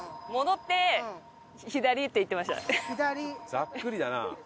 ざっくりだな。